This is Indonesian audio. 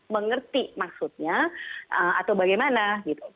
mengerti maksudnya atau bagaimana gitu